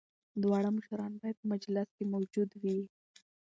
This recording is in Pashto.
دواړه مشران باید په مجلس کي موجود وي.